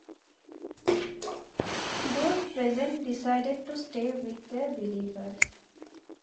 Those present decided to stay with their believers.